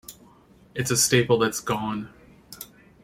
It's a staple that's gone.